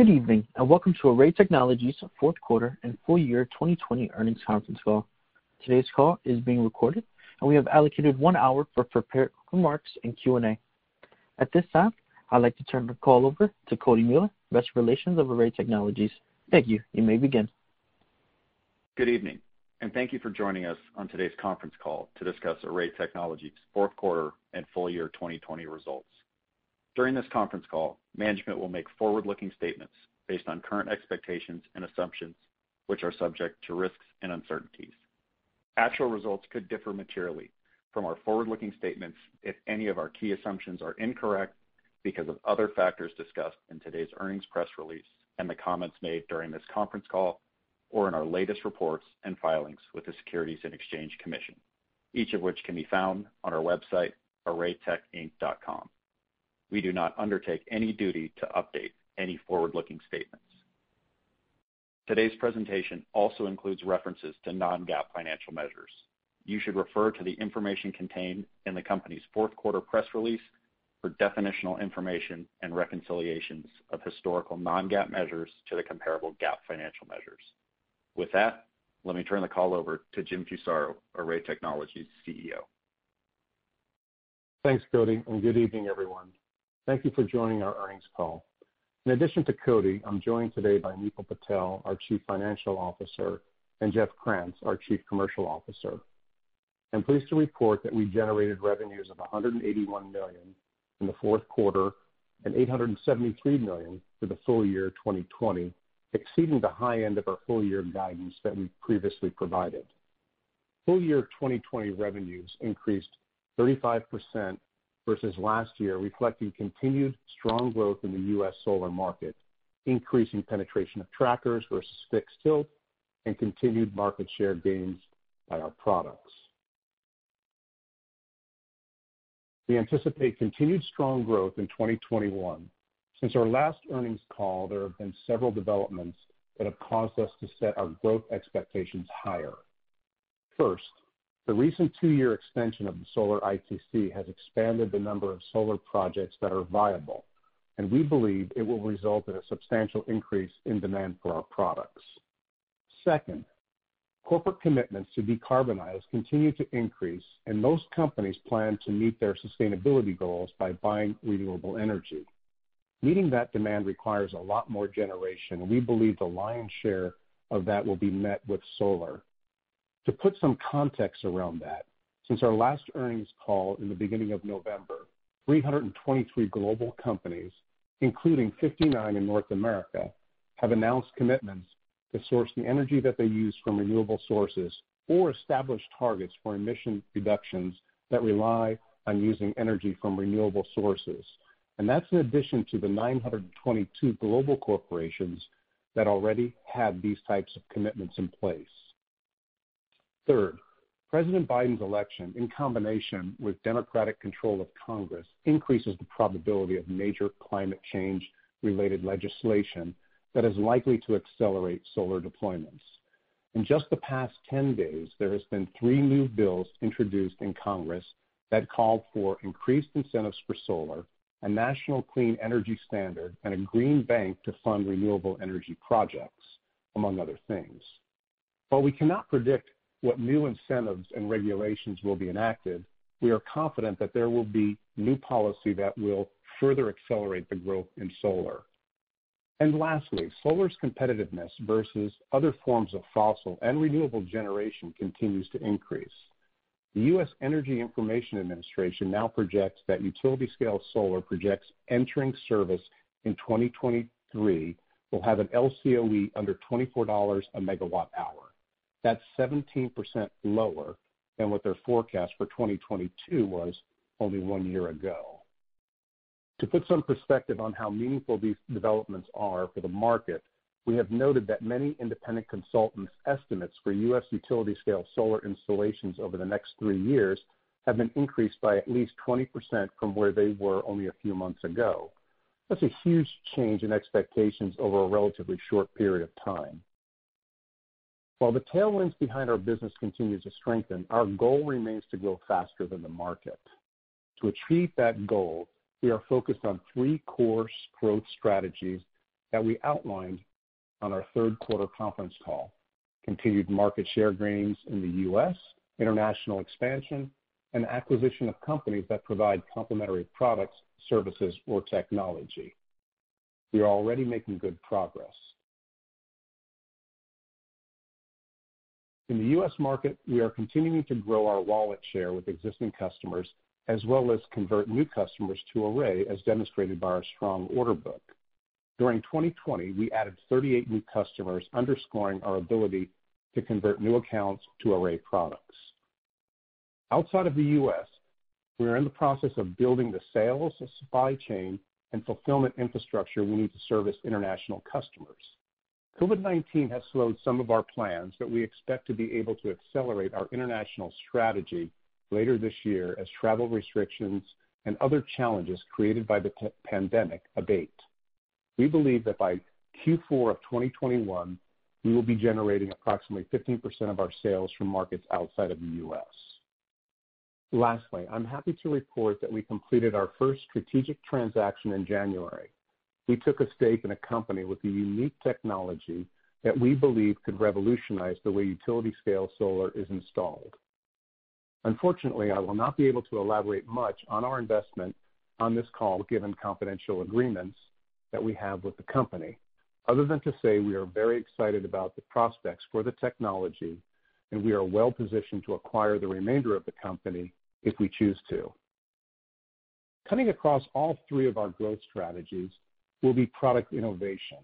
Good evening, and welcome to ARRAY Technologies' fourth quarter and full-year 2020 earnings conference call. Today's call is being recorded, and we have allocated one hour for prepared remarks and Q&A. At this time, I'd like to turn the call over to Cody Mueller, Investor Relations of Array Technologies. Thank you. You may begin. Good evening, and thank you for joining us on today's conference call to discuss ARRAY Technologies' fourth quarter and full-year 2020 results. During this conference call, management will make forward-looking statements based on current expectations and assumptions, which are subject to risks and uncertainties. Actual results could differ materially from our forward-looking statements if any of our key assumptions are incorrect because of other factors discussed in today's earnings press release and the comments made during this conference call or in our latest reports and filings with the Securities and Exchange Commission, each of which can be found on our website, ir.arraytechinc.com. We do not undertake any duty to update any forward-looking statements. Today's presentation also includes references to non-GAAP financial measures. You should refer to the information contained in the company's fourth quarter press release for definitional information and reconciliations of historical non-GAAP measures to the comparable GAAP financial measures. With that, let me turn the call over to Jim Fusaro, ARRAY Technologies' CEO. Thanks, Cody. Good evening, everyone. Thank you for joining our earnings call. In addition to Cody, I'm joined today by Nipul Patel, our Chief Financial Officer, and Jeff Krantz, our Chief Commercial Officer. I'm pleased to report that we generated revenues of $181 million in the fourth quarter and $873 million for the full year 2020, exceeding the high end of our full-year guidance that we previously provided. Full-year 2020 revenues increased 35% versus last year, reflecting continued strong growth in the U.S. solar market, increasing penetration of trackers versus fixed tilt, and continued market share gains by our products. We anticipate continued strong growth in 2021. Since our last earnings call, there have been several developments that have caused us to set our growth expectations higher. First, the recent two-year extension of the solar ITC has expanded the number of solar projects that are viable, and we believe it will result in a substantial increase in demand for our products. Second, corporate commitments to decarbonize continue to increase, and most companies plan to meet their sustainability goals by buying renewable energy. Meeting that demand requires a lot more generation. We believe the lion's share of that will be met with solar. To put some context around that, since our last earnings call in the beginning of November, 323 global companies, including 59 in North America, have announced commitments to source the energy that they use from renewable sources or establish targets for emission reductions that rely on using energy from renewable sources. That's in addition to the 922 global corporations that already have these types of commitments in place. Third, President Biden's election, in combination with Democratic control of Congress, increases the probability of major climate change-related legislation that is likely to accelerate solar deployments. In just the past 10 days, there has been three new bills introduced in Congress that call for increased incentives for solar, a national clean energy standard, and a green bank to fund renewable energy projects, among other things. While we cannot predict what new incentives and regulations will be enacted, we are confident that there will be new policy that will further accelerate the growth in solar. Lastly, solar's competitiveness versus other forms of fossil and renewable generation continues to increase. The U.S. Energy Information Administration now projects that utility scale solar projects entering service in 2023 will have an LCOE under $24 a megawatt hour. That's 17% lower than what their forecast for 2022 was only one year ago. To put some perspective on how meaningful these developments are for the market, we have noted that many independent consultants' estimates for U.S. utility scale solar installations over the next three years have been increased by at least 20% from where they were only a few months ago. That's a huge change in expectations over a relatively short period of time. While the tailwinds behind our business continue to strengthen, our goal remains to grow faster than the market. To achieve that goal, we are focused on three core growth strategies that we outlined on our third quarter conference call: continued market share gains in the U.S., international expansion, and acquisition of companies that provide complementary products, services, or technology. We are already making good progress. In the U.S. market, we are continuing to grow our wallet share with existing customers, as well as convert new customers to ARRAY, as demonstrated by our strong order book. During 2020, we added 38 new customers, underscoring our ability to convert new accounts to ARRAY products. Outside of the U.S., we are in the process of building the sales, supply chain, and fulfillment infrastructure we need to service international customers. COVID-19 has slowed some of our plans, but we expect to be able to accelerate our international strategy later this year as travel restrictions and other challenges created by the pandemic abate. We believe that by Q4 of 2021, we will be generating approximately 15% of our sales from markets outside of the U.S. Lastly, I'm happy to report that we completed our first strategic transaction in January. We took a stake in a company with a unique technology that we believe could revolutionize the way utility scale solar is installed. Unfortunately, I will not be able to elaborate much on our investment on this call, given confidential agreements that we have with the company, other than to say, we are very excited about the prospects for the technology, and we are well-positioned to acquire the remainder of the company if we choose to. Cutting across all three of our growth strategies will be product innovation.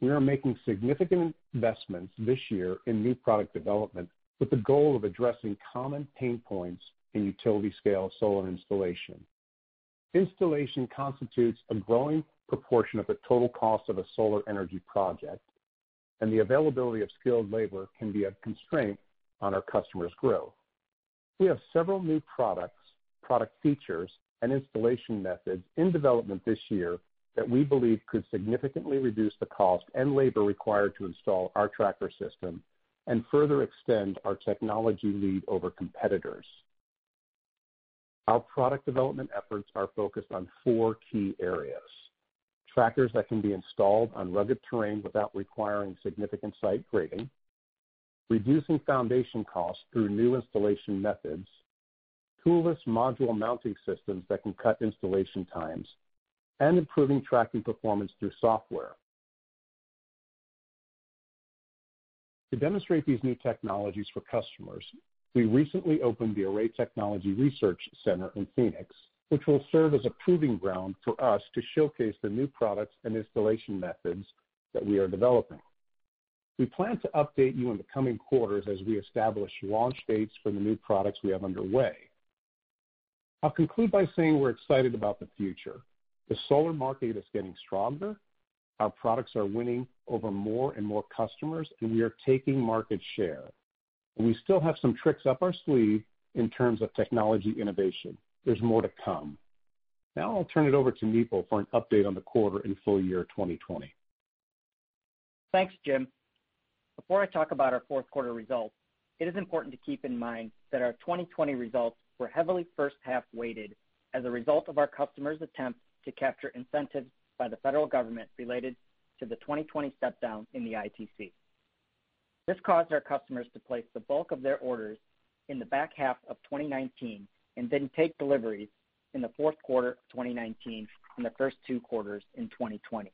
We are making significant investments this year in new product development with the goal of addressing common pain points in utility scale solar installation. Installation constitutes a growing proportion of the total cost of a solar energy project, and the availability of skilled labor can be a constraint on our customers' growth. We have several new products, product features, and installation methods in development this year that we believe could significantly reduce the cost and labor required to install our tracker system and further extend our technology lead over competitors. Our product development efforts are focused on four key areas: trackers that can be installed on rugged terrain without requiring significant site grading, reducing foundation costs through new installation methods, toolless module mounting systems that can cut installation times, and improving tracking performance through software. To demonstrate these new technologies for customers, we recently opened the ARRAY Technologies Research Center in Phoenix, which will serve as a proving ground for us to showcase the new products and installation methods that we are developing. We plan to update you in the coming quarters as we establish launch dates for the new products we have underway. I'll conclude by saying we're excited about the future. The solar market is getting stronger. Our products are winning over more and more customers, and we are taking market share. We still have some tricks up our sleeve in terms of technology innovation. There's more to come. Now I'll turn it over to Nipul for an update on the quarter and full year 2020. Thanks, Jim. Before I talk about our fourth quarter results, it is important to keep in mind that our 2020 results were heavily first-half weighted as a result of our customers' attempt to capture incentives by the federal government related to the 2020 step-down in the ITC. This caused our customers to place the bulk of their orders in the back half of 2019 and then take deliveries in the fourth quarter of 2019 and the first two quarters in 2020.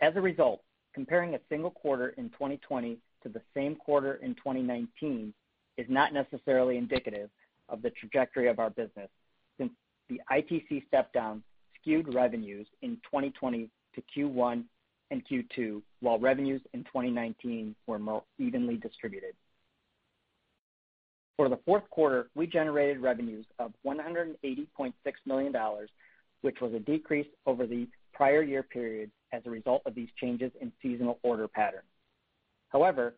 As a result, comparing a single quarter in 2020 to the same quarter in 2019 is not necessarily indicative of the trajectory of our business, since the ITC step-down skewed revenues in 2020 to Q1 and Q2, while revenues in 2019 were more evenly distributed. For the fourth quarter, we generated revenues of $180.6 million, which was a decrease over the prior-year period as a result of these changes in seasonal order patterns. However,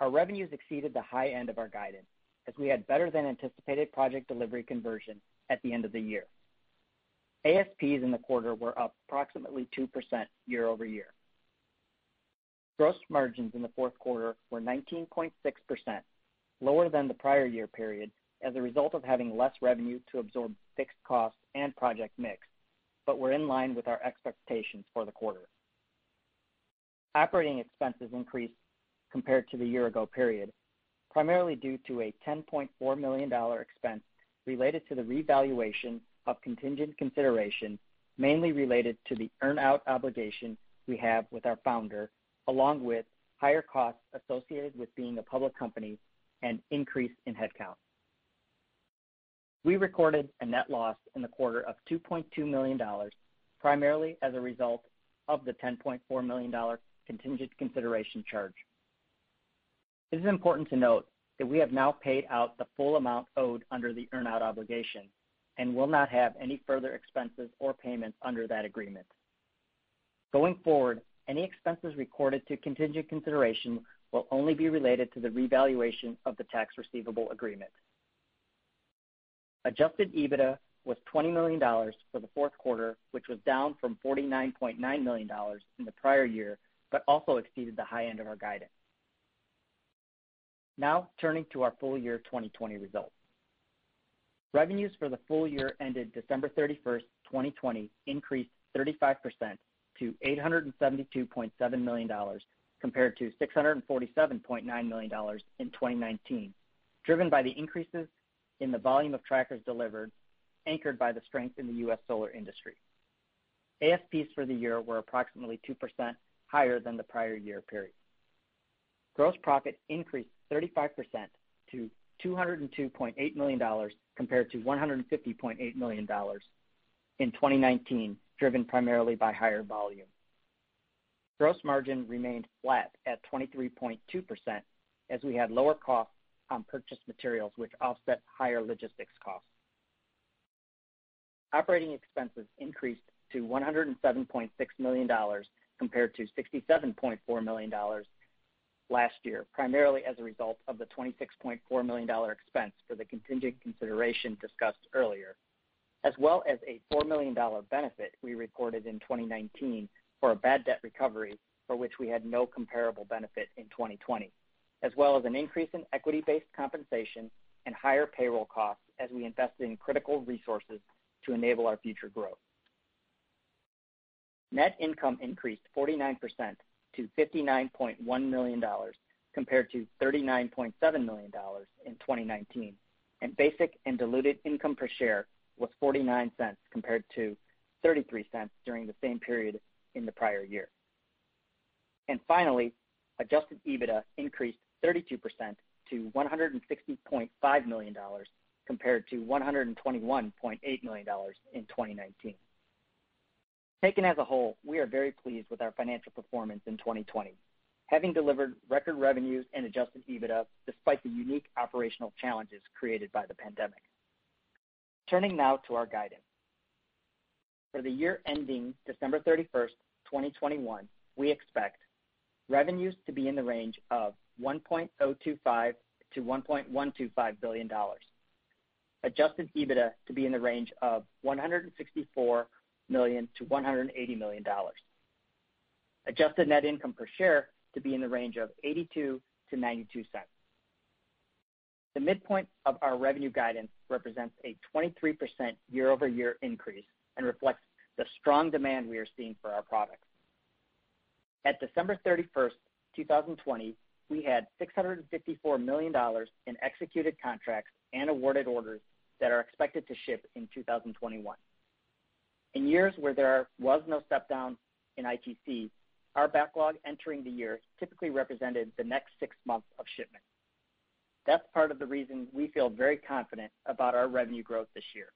our revenues exceeded the high end of our guidance, as we had better than anticipated project delivery conversion at the end of the year. ASPs in the quarter were up approximately 2% year-over-year. Gross margins in the fourth quarter were 19.6%, lower than the prior-year period as a result of having less revenue to absorb fixed costs and project mix, but were in line with our expectations for the quarter. Operating expenses increased compared to the year-ago period, primarily due to a $10.4 million expense related to the revaluation of contingent consideration, mainly related to the earn-out obligation we have with our founder, along with higher costs associated with being a public company and increase in headcount. We recorded a net loss in the quarter of $2.2 million, primarily as a result of the $10.4 million contingent consideration charge. It is important to note that we have now paid out the full amount owed under the earn-out obligation and will not have any further expenses or payments under that agreement. Going forward, any expenses recorded to contingent consideration will only be related to the revaluation of the Tax Receivable Agreement. Adjusted EBITDA was $20 million for the fourth quarter, which was down from $49.9 million in the prior year, but also exceeded the high end of our guidance. Now turning to our full-year 2020 results. Revenues for the full year ended December 31st, 2020, increased 35% to $872.7 million compared to $647.9 million in 2019, driven by the increases in the volume of trackers delivered, anchored by the strength in the U.S. solar industry. ASPs for the year were approximately 2% higher than the prior-year period. Gross profit increased 35% to $202.8 million compared to $150.8 million in 2019, driven primarily by higher volume. Gross margin remained flat at 23.2% as we had lower costs on purchased materials, which offset higher logistics costs. Operating expenses increased to $107.6 million compared to $67.4 million last year, primarily as a result of the $26.4 million expense for the contingent consideration discussed earlier. As well as a $4 million benefit we recorded in 2019 for a bad debt recovery, for which we had no comparable benefit in 2020, as well as an increase in equity-based compensation and higher payroll costs as we invested in critical resources to enable our future growth. Net income increased 49% to $59.1 million compared to $39.7 million in 2019, and basic and diluted income per share was $0.49 compared to $0.33 during the same period in the prior year. Finally, adjusted EBITDA increased 32% to $160.5 million compared to $121.8 million in 2019. Taken as a whole, we are very pleased with our financial performance in 2020, having delivered record revenues and adjusted EBITDA despite the unique operational challenges created by the pandemic. Turning now to our guidance. For the year ending December 31, 2021, we expect revenues to be in the range of $1.025 billion-$1.125 billion, adjusted EBITDA to be in the range of $164 million-$180 million, adjusted net income per share to be in the range of $0.82-$0.92. The midpoint of our revenue guidance represents a 23% year-over-year increase and reflects the strong demand we are seeing for our products. At December 31st, 2020, we had $654 million in executed contracts and awarded orders that are expected to ship in 2021. In years where there was no step-down in ITC, our backlog entering the year typically represented the next six months of shipment. That's part of the reason we feel very confident about our revenue growth this year.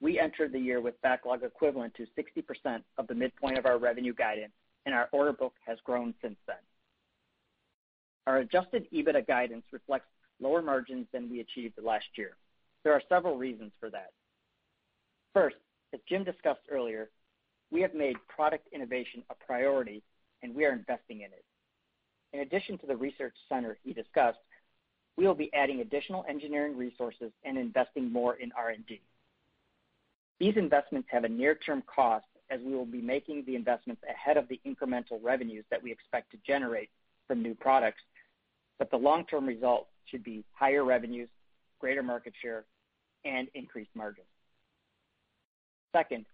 We entered the year with backlog equivalent to 60% of the midpoint of our revenue guidance, and our order book has grown since then. Our adjusted EBITDA guidance reflects lower margins than we achieved last year. There are several reasons for that. First, as Jim discussed earlier, we have made product innovation a priority, and we are investing in it. In addition to the research center he discussed, we will be adding additional engineering resources and investing more in R&D. These investments have a near-term cost, as we will be making the investments ahead of the incremental revenues that we expect to generate from new products, but the long-term result should be higher revenues, greater market share, and increased margins. Second,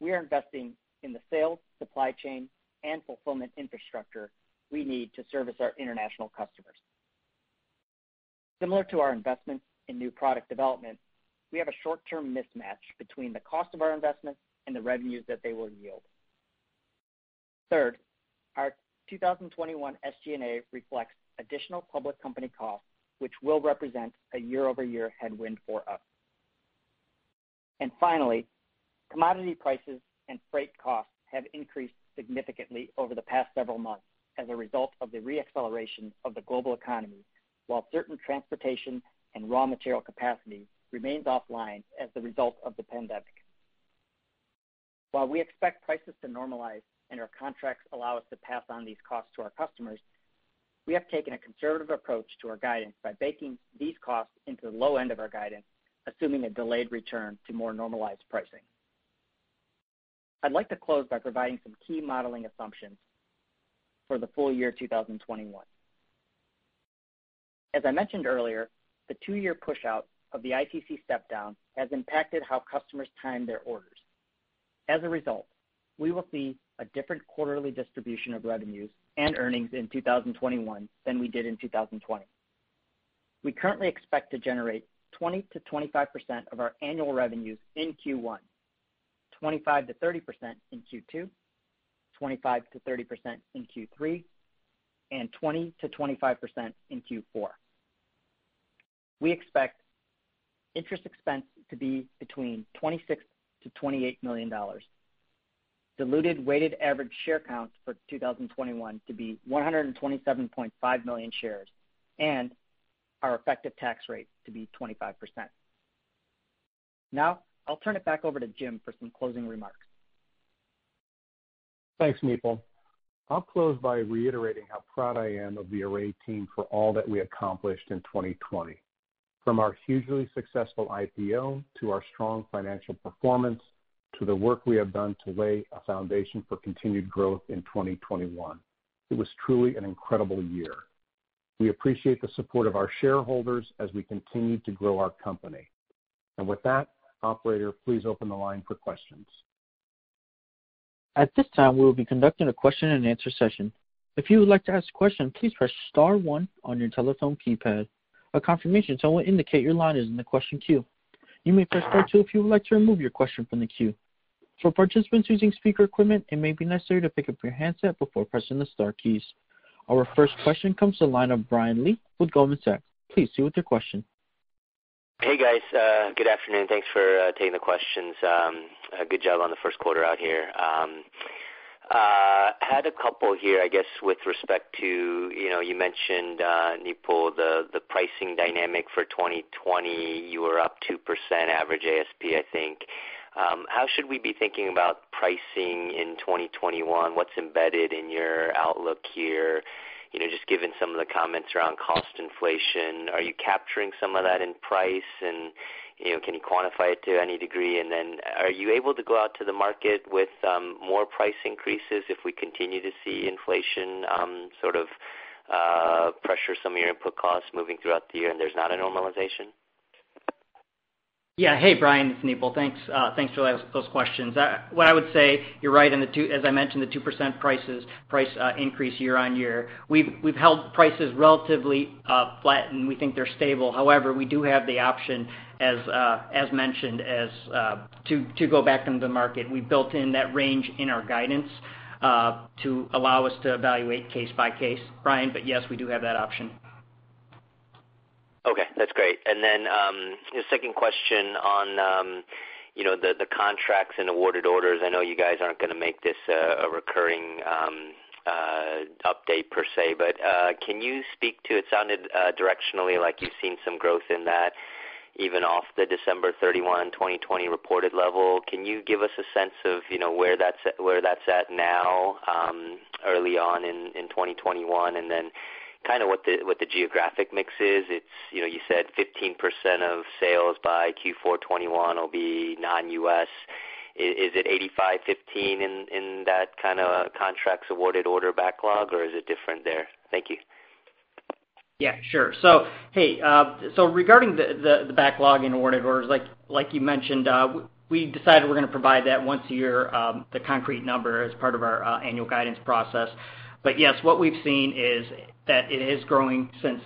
we are investing in the sales, supply chain, and fulfillment infrastructure we need to service our international customers. Similar to our investments in new product development, we have a short-term mismatch between the cost of our investments and the revenues that they will yield. Third, our 2021 SG&A reflects additional public company costs, which will represent a year-over-year headwind for us. Finally, commodity prices and freight costs have increased significantly over the past several months as a result of the re-acceleration of the global economy, while certain transportation and raw material capacity remains offline as the result of the pandemic. While we expect prices to normalize and our contracts allow us to pass on these costs to our customers, we have taken a conservative approach to our guidance by baking these costs into the low end of our guidance, assuming a delayed return to more normalized pricing. I'd like to close by providing some key modeling assumptions for the full year 2021. As I mentioned earlier, the two-year pushout of the ITC step-down has impacted how customers time their orders. As a result, we will see a different quarterly distribution of revenues and earnings in 2021 than we did in 2020. We currently expect to generate 20%-25% of our annual revenues in Q1, 25%-30% in Q2, 25%-30% in Q3, and 20%-25% in Q4. We expect interest expense to be between $26 million-$28 million, diluted weighted average share count for 2021 to be 127.5 million shares, and our effective tax rate to be 25%. Now, I'll turn it back over to Jim for some closing remarks. Thanks, Nipul. I'll close by reiterating how proud I am of the ARRAY team for all that we accomplished in 2020, from our hugely successful IPO, to our strong financial performance, to the work we have done to lay a foundation for continued growth in 2021. It was truly an incredible year. We appreciate the support of our shareholders as we continue to grow our company. With that, operator, please open the line for questions. At this time we'll be conducting our question-and-answer session. If you would like to ask a question, please press star one on your telephone keypad. A confirmation tone will indicate that your line is in the question queue. You may press star two if you would like to remove your question from the queue. For participants using speaker equipment, it may be necessary to pick up your handset before pressing the star keys. Our first question comes to the line of Brian Lee with Goldman Sachs. Please proceed with your question. Hey, guys. Good afternoon. Thanks for taking the questions. Good job on the first quarter out here. Had a couple here, I guess, with respect to you mentioned, Nipul, the pricing dynamic for 2020. You were up 2% average ASP, I think. How should we be thinking about pricing in 2021? What's embedded in your outlook here? Just given some of the comments around cost inflation, are you capturing some of that in price? Can you quantify it to any degree? Are you able to go out to the market with more price increases if we continue to see inflation sort of pressure some of your input costs moving throughout the year, and there's not a normalization? Yeah. Hey, Brian, it's Nipul. Thanks for those questions. What I would say, you're right, as I mentioned, the 2% price increase year-on-year. We've held prices relatively flat, and we think they're stable. However, we do have the option, as mentioned, to go back into the market. We built in that range in our guidance to allow us to evaluate case by case, Brian. Yes, we do have that option. Okay, that's great. Second question on the contracts and awarded orders. I know you guys aren't going to make this a recurring update per se, but can you speak to, it sounded directionally like you've seen some growth in that, even off the December 31, 2020, reported level. Can you give us a sense of where that's at now early on in 2021, and then kind of what the geographic mix is? You said 15% of sales by Q4 2021 will be non-U.S. Is it 85/15 in that kind of contracts awarded order backlog, or is it different there? Thank you. Yeah, sure. Regarding the backlog in awarded orders, like you mentioned, we decided we're going to provide that once a year, the concrete number, as part of our annual guidance process. Yes, what we've seen is that it is growing since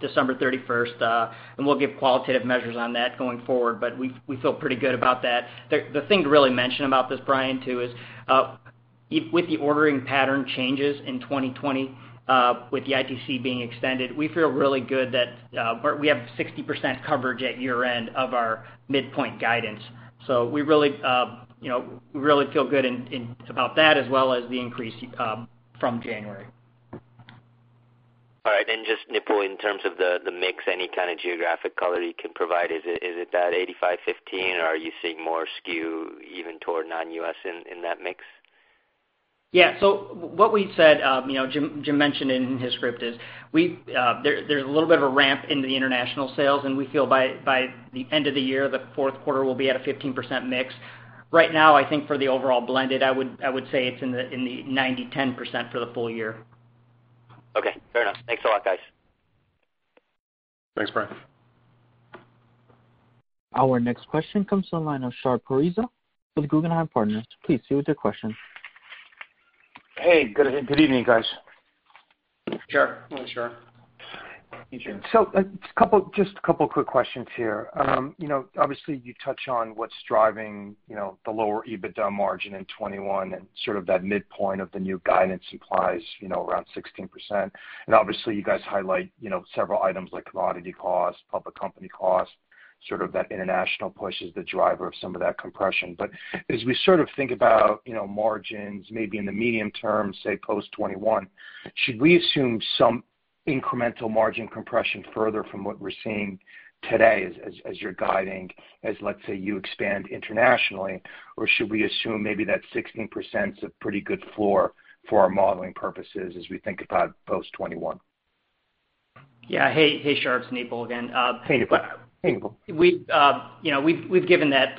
December 31st. We'll give qualitative measures on that going forward, but we feel pretty good about that. The thing to really mention about this, Brian, too, is with the ordering pattern changes in 2020, with the ITC being extended, we feel really good that we have 60% coverage at year-end of our midpoint guidance. We really feel good about that as well as the increase from January. All right. Just, Nipul, in terms of the mix, any kind of geographic color you can provide? Is it that 85/15, or are you seeing more skew even toward non-U.S. in that mix? Yeah. What we said, Jim mentioned it in his script, is there's a little bit of a ramp in the international sales, and we feel by the end of the year, the fourth quarter will be at a 15% mix. Right now, I think for the overall blended, I would say it's in the 90/10 for the full year. Okay, fair enough. Thanks a lot, guys. Thanks, Brian. Our next question comes from the line of Shar Pourreza with Guggenheim Partners. Please proceed with your question. Hey, good evening, guys. Sure. Hey, Shar. Hey, Jim. Just a couple quick questions here. Obviously, you touch on what's driving the lower EBITDA margin in 2021 and sort of that midpoint of the new guidance implies around 16%. Obviously, you guys highlight several items like commodity costs, public company costs, sort of that international push as the driver of some of that compression. As we sort of think about margins maybe in the medium term, say post 2021, should we assume some incremental margin compression further from what we're seeing today as you're guiding, as let's say you expand internationally, or should we assume maybe that 16%'s a pretty good floor for our modeling purposes as we think about post 2021? Yeah. Hey, Shar. It's Nipul again. Hey, Nipul. We've given that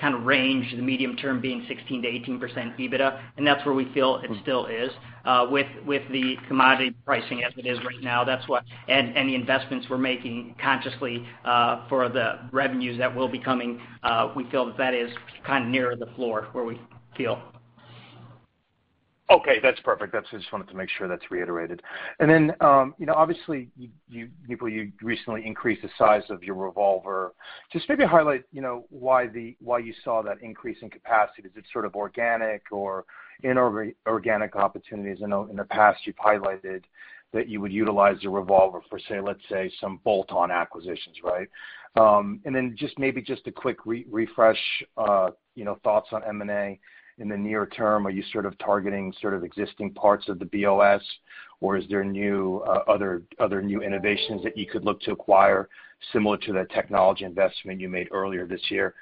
kind of range, the medium term being 16%-18% EBITDA, and that's where we feel it still is. With the commodity pricing as it is right now, and the investments we're making consciously for the revenues that will be coming, we feel that that is kind of near the floor where we feel. Okay, that's perfect. I just wanted to make sure that's reiterated. Obviously, Nipul, you recently increased the size of your revolver. Just maybe highlight why you saw that increase in capacity. Is it sort of organic or inorganic opportunities? I know in the past you've highlighted that you would utilize the revolver for, let's say, some bolt-on acquisitions, right? Just maybe just a quick refresh, thoughts on M&A in the near term. Are you sort of targeting sort of existing parts of the BOS, or is there other new innovations that you could look to acquire similar to the technology investment you made earlier this year?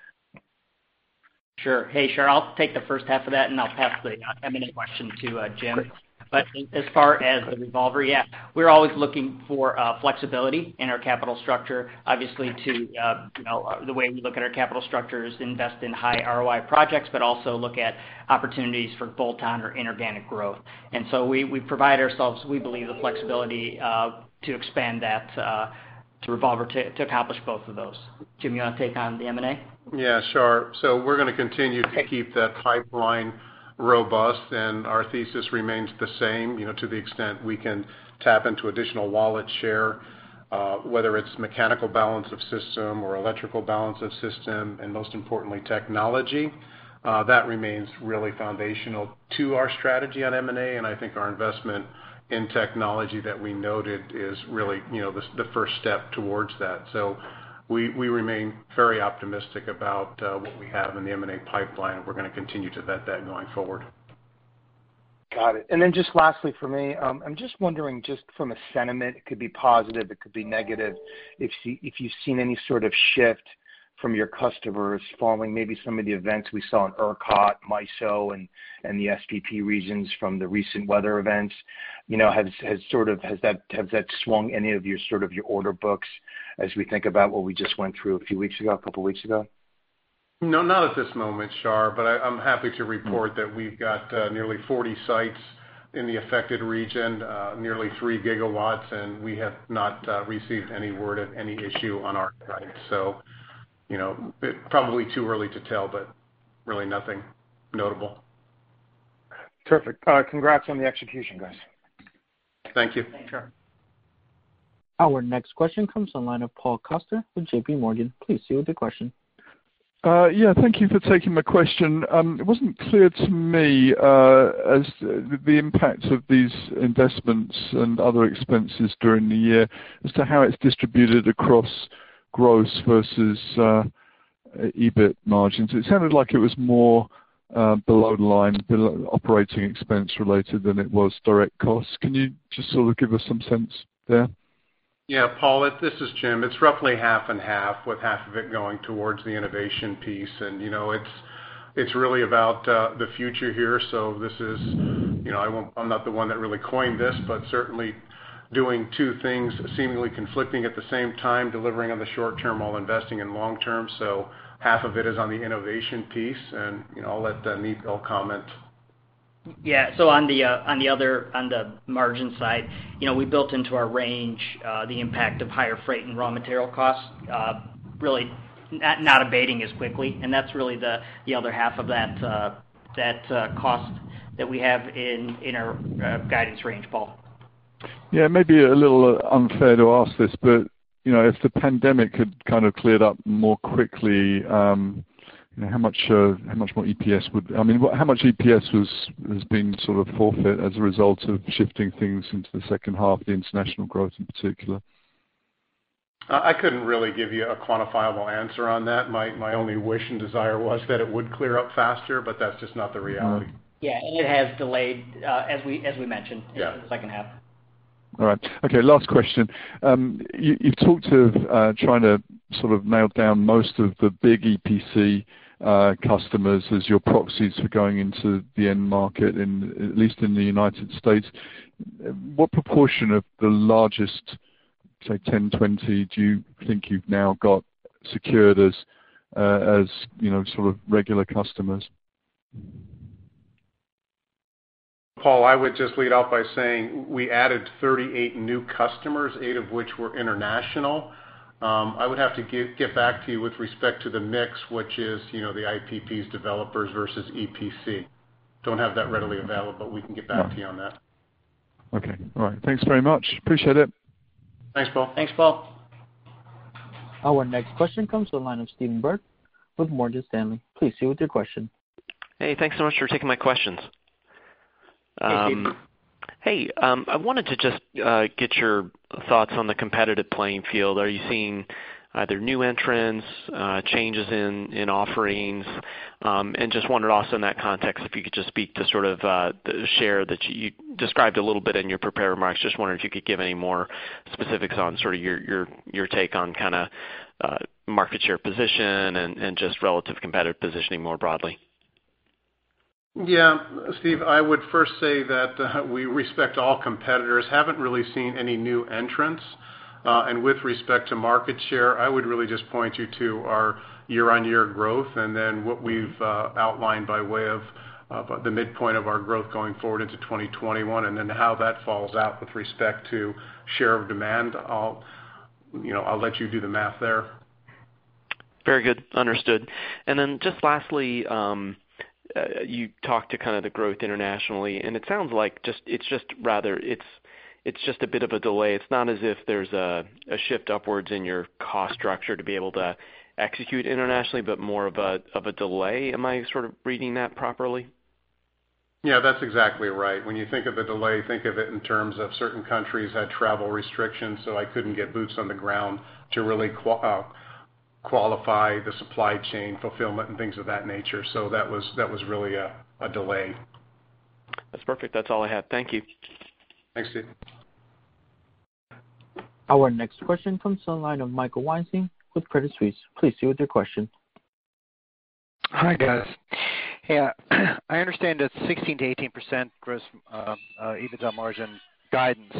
Sure. Hey, Shar. I'll take the first half of that, and I'll pass the M&A question to Jim. As far as the revolver, yeah, we're always looking for flexibility in our capital structure. Obviously, the way we look at our capital structure is invest in high ROI projects, but also look at opportunities for bolt-on or inorganic growth. We provide ourselves, we believe, the flexibility to expand that revolver to accomplish both of those. Jim, you want to take on the M&A? Yeah, sure. We're going to continue to keep that pipeline robust, and our thesis remains the same. To the extent we can tap into additional wallet share whether it's mechanical balance of system or electrical balance of system, and most importantly, technology, that remains really foundational to our strategy on M&A, and I think our investment in technology that we noted is really the first step towards that. We remain very optimistic about what we have in the M&A pipeline, and we're going to continue to vet that going forward. Got it. Just lastly for me, I'm just wondering just from a sentiment, it could be positive, it could be negative, if you've seen any sort of shift from your customers following maybe some of the events we saw in ERCOT, MISO, and the SPP regions from the recent weather events? Has that swung any of your order books as we think about what we just went through a few weeks ago, a couple of weeks ago? No, not at this moment, Shar. I'm happy to report that we've got nearly 40 sites in the affected region, nearly 3 GW, and we have not received any word of any issue on our sites. Probably too early to tell, but really nothing notable. Terrific. Congrats on the execution, guys. Thank you. Sure. Our next question comes to the line of Paul Coster with JPMorgan, please proceed with your question. Yeah. Thank you for taking my question. It wasn't clear to me as the impact of these investments and other expenses during the year as to how it's distributed across gross versus EBIT margins. It sounded like it was more below the line, below operating expense related than it was direct costs. Can you just sort of give us some sense there? Paul, this is Jim. It's roughly 50/50, with half of it going towards the innovation piece. It's really about the future here. I'm not the one that really coined this, but certainly doing two things seemingly conflicting at the same time, delivering on the short-term while investing in long-term. Half of it is on the innovation piece, and I'll let Nipul comment. On the margin side, we built into our range the impact of higher freight and raw material costs, really not abating as quickly. That's really the other half of that cost that we have in our guidance range, Paul. Yeah. It may be a little unfair to ask this, but if the pandemic had kind of cleared up more quickly, how much EPS was being sort of forfeit as a result of shifting things into the second half, the international growth in particular? I couldn't really give you a quantifiable answer on that. My only wish and desire was that it would clear up faster, but that's just not the reality. Yeah. It has delayed, as we mentioned- Yeah ...in the second half. All right. Okay, last question. You've talked of trying to sort of nail down most of the big EPC customers as your proxies for going into the end market, at least in the United States. What proportion of the largest, say, 10, 20, do you think you've now got secured as sort of regular customers? Paul, I would just lead off by saying we added 38 new customers, eight of which were international. I would have to get back to you with respect to the mix, which is the IPPs developers versus EPC. Don't have that readily available. We can get back to you on that. Okay. All right. Thanks very much. Appreciate it. Thanks, Paul. Thanks, Paul. Our next question comes to the line of Stephen Byrd with Morgan Stanley. Please proceed with your question. Hey, thanks so much for taking my questions. Hey, Steve. Hey, I wanted to just get your thoughts on the competitive playing field. Are you seeing either new entrants, changes in offerings? Just wondered also in that context, if you could just speak to sort of the share that you described a little bit in your prepared remarks. Just wondering if you could give any more specifics on sort of your take on kind of market share position and just relative competitive positioning more broadly. Yeah. Steve, I would first say that we respect all competitors. Haven't really seen any new entrants. With respect to market share, I would really just point you to our year-on-year growth and then what we've outlined by way of the midpoint of our growth going forward into 2021, and then how that falls out with respect to share of demand. I'll let you do the math there. Very good. Understood. Then just lastly, you talked to kind of the growth internationally, it sounds like it's just a bit of a delay. It's not as if there's a shift upwards in your cost structure to be able to execute internationally, but more of a delay. Am I sort of reading that properly? Yeah, that's exactly right. When you think of a delay, think of it in terms of certain countries had travel restrictions, so I couldn't get boots on the ground to really qualify the supply chain fulfillment and things of that nature. That was really a delay. That's perfect. That's all I had. Thank you. Thanks, Steve. Our next question comes to the line of Michael Weinstein with Credit Suisse. Please proceed with your question. Hi, guys. Yeah. I understand that 16%-18% gross EBITDA margin guidance.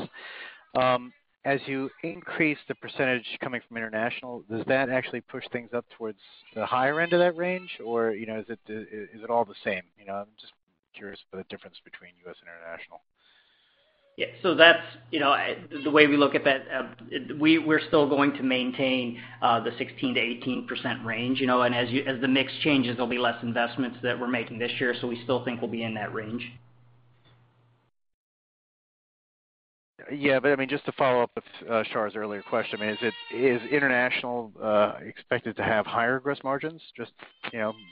As you increase the percentage coming from international, does that actually push things up towards the higher end of that range? Or is it all the same? I'm just curious about the difference between U.S. and international. Yeah. The way we look at that, we're still going to maintain the 16%-18% range. As the mix changes, there'll be less investments that we're making this year, so we still think we'll be in that range. Yeah. Just to follow up with Shar's earlier question, is international expected to have higher gross margins just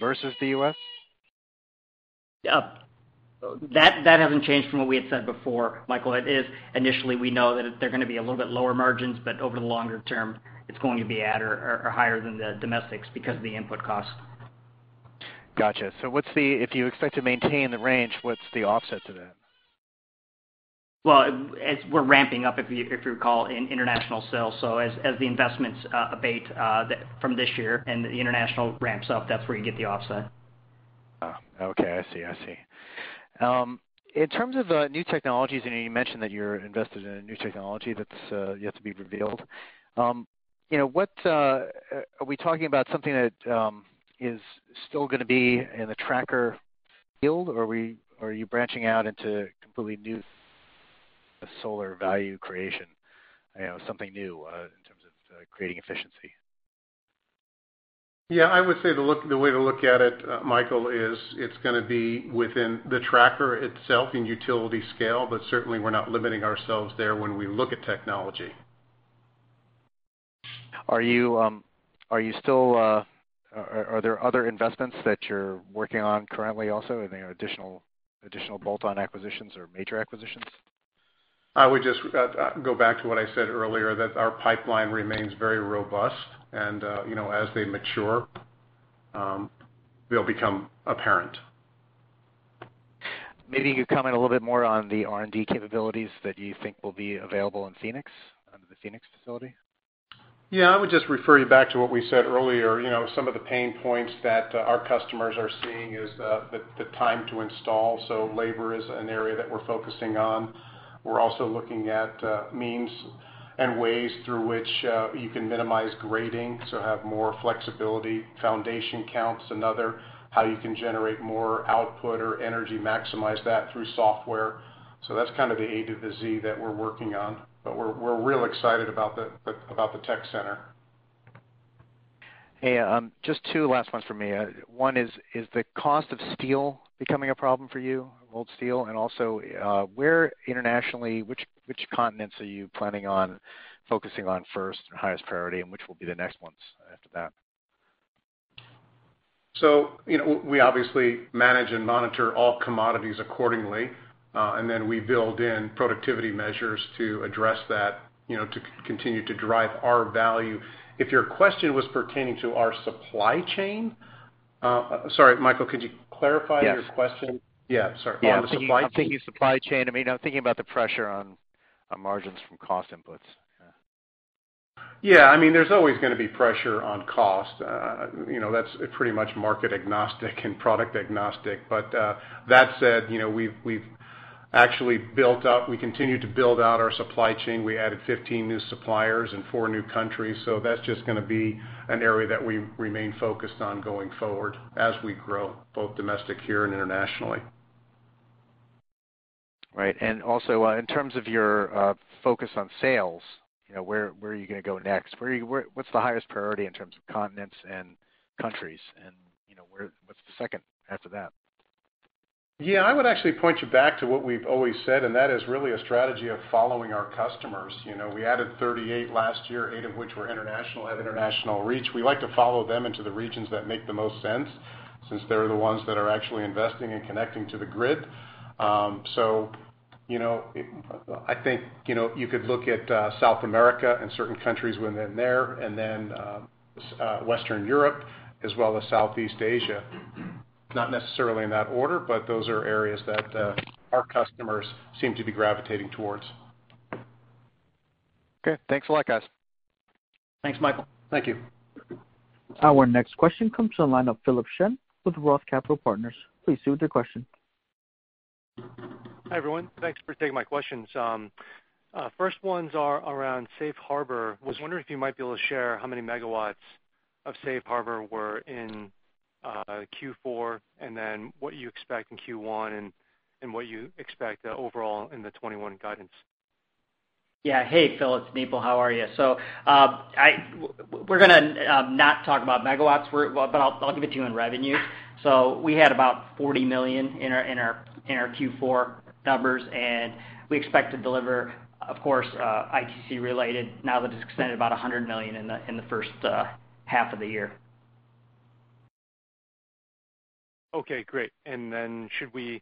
versus the U.S.? That hasn't changed from what we had said before, Michael. It is initially we know that they're going to be a little bit lower margins, but over the longer term, it's going to be at or higher than the domestics because of the input cost. Gotcha. If you expect to maintain the range, what's the offset to that? Well, as we're ramping up, if you recall, in international sales. As the investments abate from this year and the international ramps up, that's where you get the offset. Oh, okay. I see. In terms of new technologies, you mentioned that you're invested in a new technology that's yet to be revealed. Are we talking about something that is still going to be in the tracker field, or are you branching out into completely new solar value creation? Something new in terms of creating efficiency. Yeah, I would say the way to look at it, Michael, is it's going to be within the tracker itself in utility scale. Certainly, we're not limiting ourselves there when we look at technology. Are there other investments that you're working on currently also? Any additional bolt-on acquisitions or major acquisitions? I would just go back to what I said earlier, that our pipeline remains very robust and as they mature, they'll become apparent. Maybe you can comment a little bit more on the R&D capabilities that you think will be available in the Phoenix facility. Yeah, I would just refer you back to what we said earlier. Some of the pain points that our customers are seeing is the time to install. Labor is an area that we're focusing on. We're also looking at means and ways through which you can minimize grading to have more flexibility. Foundation count's another. How you can generate more output or energy, maximize that through software. That's kind of the A to the Z that we're working on. We're real excited about the tech center. Hey, just two last ones from me. One is the cost of steel becoming a problem for you, mild steel? Also, where internationally, which continents are you planning on focusing on first, highest priority, and which will be the next ones after that? We obviously manage and monitor all commodities accordingly. We build in productivity measures to address that, to continue to drive our value. If your question was pertaining to our supply chain. Sorry, Michael, could you clarify your question? Yes. Yeah, sorry. Our supply chain. Yeah. I'm thinking supply chain. I'm thinking about the pressure on margins from cost inputs. Yeah. Yeah. There's always going to be pressure on cost. That's pretty much market agnostic and product agnostic. That said, we actually continue to build out our supply chain. We added 15 new suppliers in four new countries. That's just going to be an area that we remain focused on going forward as we grow, both domestic here and internationally. Right. Also, in terms of your focus on sales, where are you going to go next? What's the highest priority in terms of continents and countries and, what's the second after that? Yeah, I would actually point you back to what we've always said, and that is really a strategy of following our customers. We added 38 last year, eight of which were international, have international reach. We like to follow them into the regions that make the most sense, since they're the ones that are actually investing and connecting to the grid. I think, you could look at South America and certain countries within there, and then Western Europe, as well as Southeast Asia. Not necessarily in that order, those are areas that our customers seem to be gravitating towards. Okay. Thanks a lot, guys. Thanks, Michael. Thank you. Our next question comes from the line of Philip Shen with Roth Capital Partners. Please proceed with your question. Hi, everyone. Thanks for taking my questions. First ones are around safe harbor. Was wondering if you might be able to share how many megawatts of safe harbor were in Q4, and then what you expect in Q1, and what you expect overall in the 2021 guidance? Hey, Philip, it's Nipul. How are you? We're going to not talk about megawatts, but I'll give it to you in revenue. We had about $40 million in our Q4 numbers, and we expect to deliver, of course, ITC related, now that it's extended, about $100 million in the first half of the year. Okay, great. Should we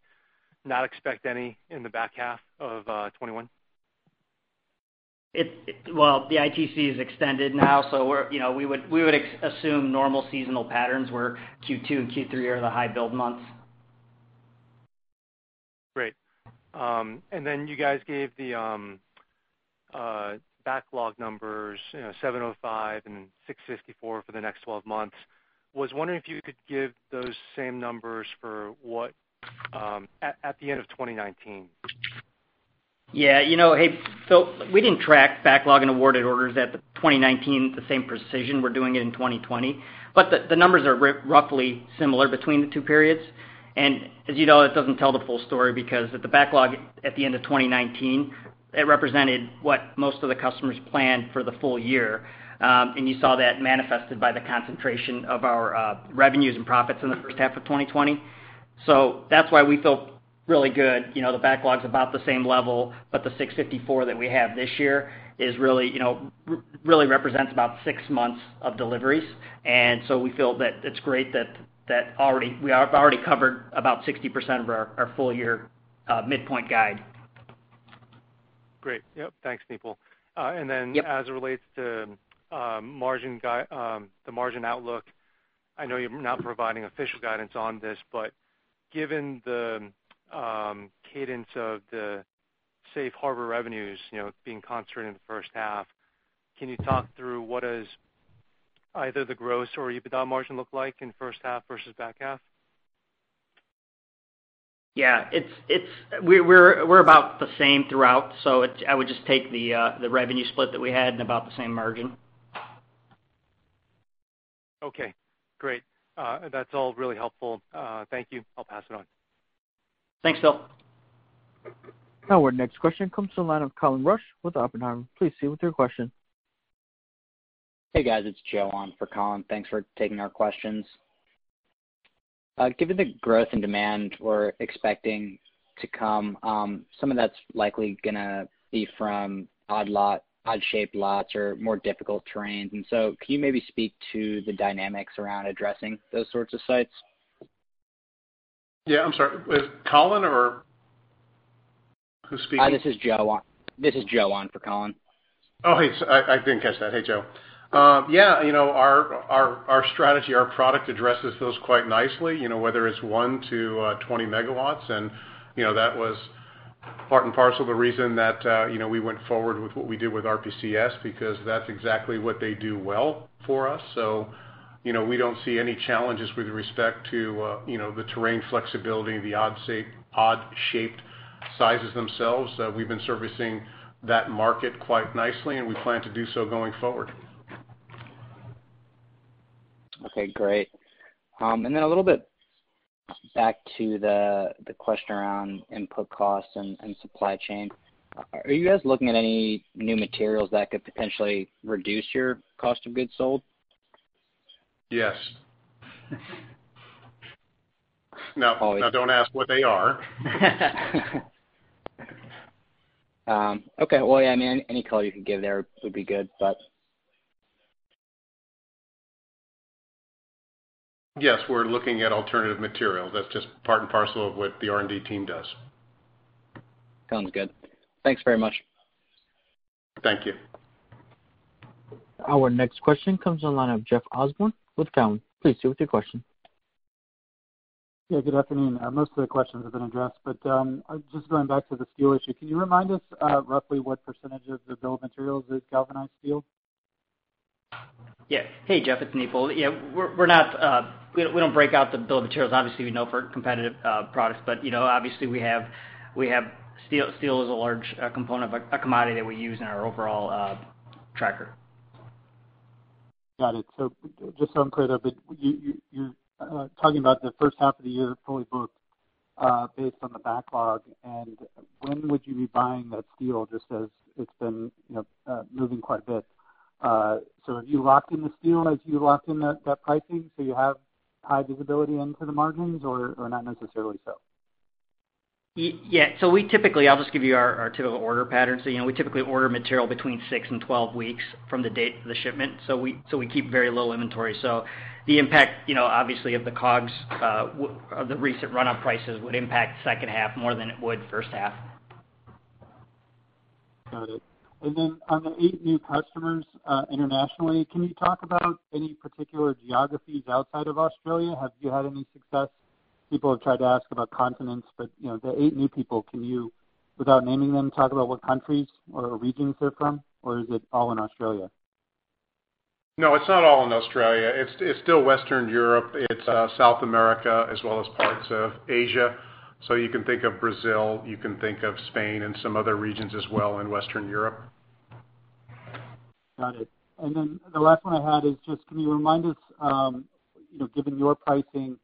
not expect any in the back half of 2021? Well, the ITC is extended now. We would assume normal seasonal patterns, where Q2 and Q3 are the high build months. Great. You guys gave the backlog numbers, $705 million and then $654 million for the next 12 months. I was wondering if you could give those same numbers for at the end of 2019. Yeah. Hey, Phil, we didn't track backlog and awarded orders at 2019 at the same precision we're doing it in 2020. The numbers are roughly similar between the two periods. As you know, it doesn't tell the full story because at the backlog at the end of 2019, it represented what most of the customers planned for the full year. You saw that manifested by the concentration of our revenues and profits in the first half of 2020. That's why we feel really good. The backlog's about the same level, but the $654 million that we have this year really represents about six months of deliveries. We feel that it's great that we have already covered about 60% of our full-year midpoint guide. Great. Yep. Thanks, Nipul. Yep As it relates to the margin outlook, I know you're not providing official guidance on this, but given the cadence of the safe harbor revenues being concentrated in the first half, can you talk through what does either the gross or EBITDA margin look like in first half versus back half? Yeah. We're about the same throughout, so I would just take the revenue split that we had and about the same margin. Okay, great. That's all really helpful. Thank you. I'll pass it on. Thanks, Phil. Our next question comes to the line of Colin Rusch with Oppenheimer. Please proceed with your question. Hey, guys. It's Joe on for Colin. Thanks for taking our questions. Given the growth and demand we're expecting to come, some of that's likely going to be from odd-shaped lots or more difficult terrains. Can you maybe speak to the dynamics around addressing those sorts of sites? Yeah. I'm sorry. Is Colin, or who's speaking? This is Joe on for Colin. Oh, hey. I didn't catch that. Hey, Joe. Yeah, our strategy, our product addresses those quite nicely, whether it's 1-20 MW, and that was part and parcel the reason that we went forward with what we did with RPCS, because that's exactly what they do well for us. We don't see any challenges with respect to the terrain flexibility, the odd-shaped sizes themselves. We've been servicing that market quite nicely, and we plan to do so going forward. Okay, great. A little bit back to the question around input costs and supply chain. Are you guys looking at any new materials that could potentially reduce your cost of goods sold? Yes. Now, don't ask what they are. Okay. Well, yeah, any color you can give there would be good. Yes, we're looking at alternative material. That's just part and parcel of what the R&D team does. Sounds good. Thanks very much. Thank you. Our next question comes on the line of Jeff Osborne with Cowen. Please proceed with your question. Yeah, good afternoon. Most of the questions have been addressed, but just going back to the steel issue, can you remind us roughly what percentage of the bill of materials is galvanized steel? Yeah. Hey, Jeff, it's Nipul. We don't break out the bill of materials, obviously, for competitive products. Obviously, steel is a large component, a commodity that we use in our overall tracker. Got it. Just so I'm clear though, but you're talking about the first half of the year fully booked, based on the backlog, and when would you be buying that steel, just as it's been moving quite a bit? Have you locked in the steel as you locked in that pricing, so you have high visibility into the margins or not necessarily so? Yeah. I'll just give you our typical order pattern. We typically order material between six and 12 weeks from the date of the shipment. We keep very low inventory. The impact, obviously, of the COGS of the recent run-up prices would impact second half more than it would first half. Got it. Then on the eight new customers internationally, can you talk about any particular geographies outside of Australia? Have you had any success? People have tried to ask about continents, the eight new people, can you, without naming them, talk about what countries or regions they're from? Is it all in Australia? No, it's not all in Australia. It's still Western Europe. It's South America as well as parts of Asia. You can think of Brazil, you can think of Spain and some other regions as well in Western Europe. Got it. The last one I had is just, can you remind us, given your pricing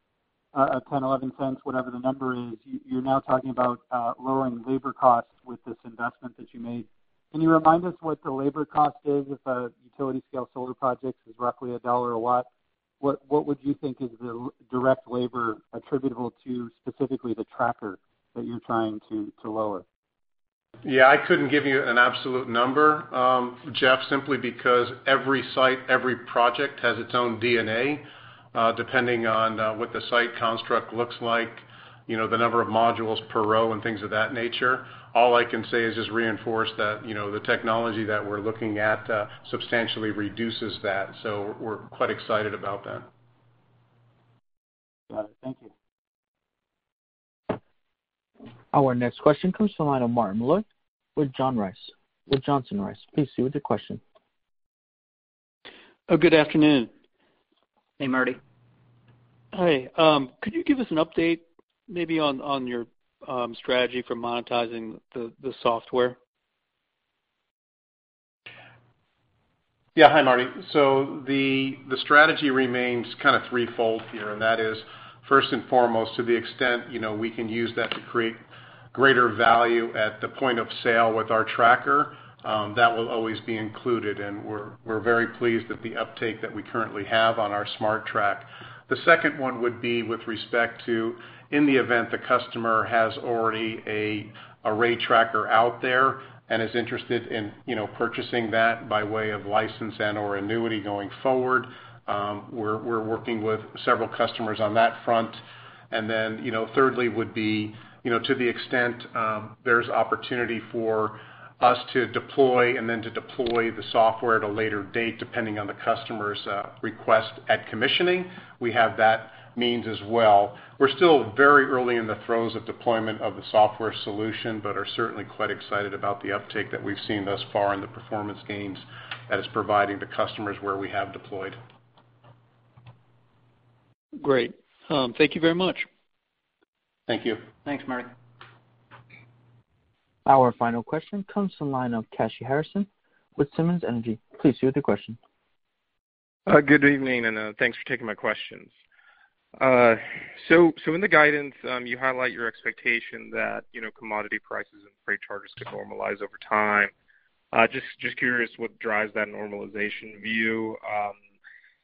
of $0.10, $0.11, whatever the number is, you're now talking about lowering labor costs with this investment that you made. Can you remind us what the labor cost is if a utility scale solar project is roughly $1 a watt? What would you think is the direct labor attributable to specifically the tracker that you're trying to lower? Yeah, I couldn't give you an absolute number, Jeff, simply because every site, every project has its own DNA, depending on what the site construct looks like, the number of modules per row and things of that nature. All I can say is just reinforce that the technology that we're looking at substantially reduces that. We're quite excited about that. Got it. Thank you. Our next question comes to the line of Marty Malloy with Johnson Rice. Please proceed with your question. Good afternoon. Hey, Marty. Hi. Could you give us an update maybe on your strategy for monetizing the software? Yeah. Hi, Marty. The strategy remains kind of threefold here, and that is first and foremost, to the extent we can use that to create greater value at the point of sale with our tracker, that will always be included, and we're very pleased with the uptake that we currently have on our SmarTrack. The second one would be with respect to, in the event the customer has already an ARRAY tracker out there and is interested in purchasing that by way of license and/or annuity going forward. We're working with several customers on that front. Thirdly would be to the extent there's opportunity for us to deploy and then to deploy the software at a later date, depending on the customer's request at commissioning, we have that means as well. We're still very early in the throes of deployment of the software solution, but are certainly quite excited about the uptake that we've seen thus far and the performance gains that it's providing to customers where we have deployed. Great. Thank you very much. Thank you. Thanks, Marty. Our final question comes from the line of Kashy Harrison with Simmons Energy. Proceed with your question. Good evening, and thanks for taking my questions. In the guidance, you highlight your expectation that commodity prices and freight charges to normalize over time. Just curious what drives that normalization view,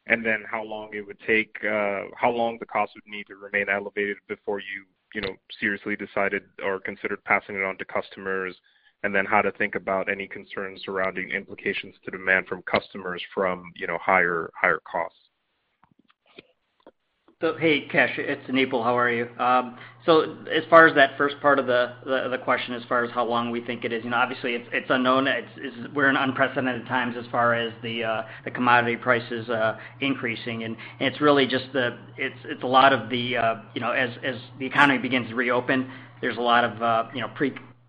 and then how long it would take, how long the cost would need to remain elevated before you seriously decided or considered passing it on to customers, and then how to think about any concerns surrounding implications to demand from customers from higher costs? Hey, Kashy, it's Nipul. How are you? As far as that first part of the question, as far as how long we think it is, obviously, it's unknown. We're in unprecedented times as far as the commodity prices increasing. As the economy begins to reopen, there's a lot of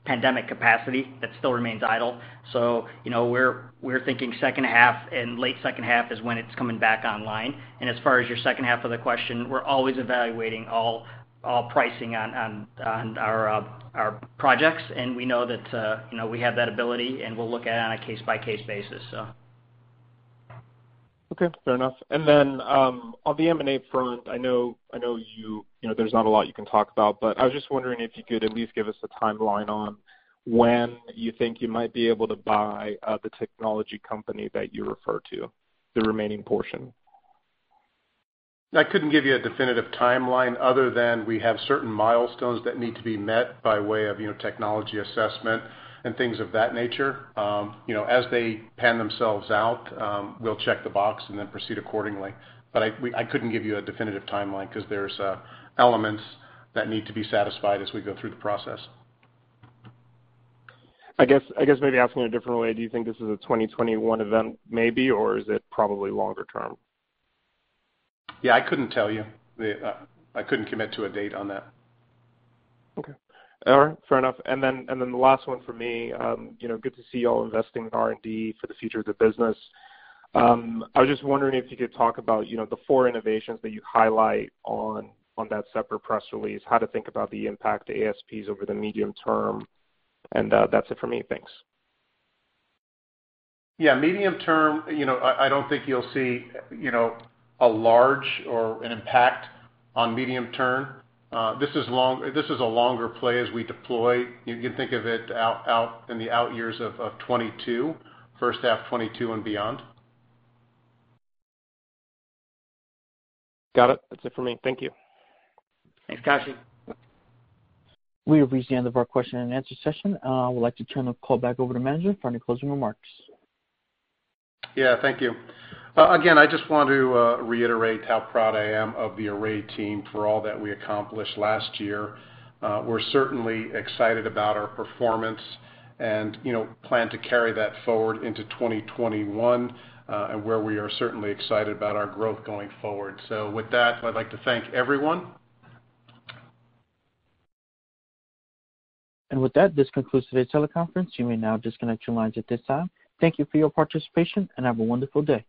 pre-pandemic capacity that still remains idle. We're thinking second half and late second half is when it's coming back online. As far as your second half of the question, we're always evaluating all pricing on our projects, and we know that we have that ability, and we'll look at it on a case-by-case basis. Okay. Fair enough. On the M&A front, I know there's not a lot you can talk about, but I was just wondering if you could at least give us a timeline on when you think you might be able to buy the technology company that you refer to, the remaining portion. I couldn't give you a definitive timeline other than we have certain milestones that need to be met by way of technology assessment and things of that nature. As they pan themselves out, we'll check the box and then proceed accordingly. I couldn't give you a definitive timeline because there's elements that need to be satisfied as we go through the process. I guess maybe asking a different way, do you think this is a 2021 event maybe, or is it probably longer term? Yeah, I couldn't tell you. I couldn't commit to a date on that. Okay. All right. Fair enough. The last one for me, good to see you all investing in R&D for the future of the business. I was just wondering if you could talk about the four innovations that you highlight on that separate press release, how to think about the impact to ASPs over the medium term, and that's it for me. Thanks. Yeah. Medium term, I don't think you'll see a large or an impact on medium term. This is a longer play as we deploy. You can think of it in the out years of 2022, first half 2022 and beyond. Got it. That's it for me. Thank you. Thanks, Kashy. We have reached the end of our question-and-answer session. I would like to turn the call back over to the manager for any closing remarks. Yeah. Thank you. Again, I just want to reiterate how proud I am of the ARRAY team for all that we accomplished last year. We're certainly excited about our performance and plan to carry that forward into 2021, where we are certainly excited about our growth going forward. With that, I'd like to thank everyone. With that, this concludes today's teleconference. You may now disconnect your lines at this time. Thank you for your participation, and have a wonderful day.